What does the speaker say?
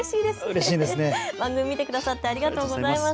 番組を見てくださってありがとうございます。